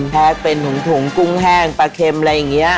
แพ็คเป็นถุงกุ้งแห้งปลาเค็มอะไรอย่างนี้